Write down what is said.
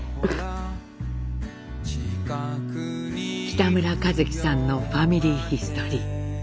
北村一輝さんの「ファミリーヒストリー」。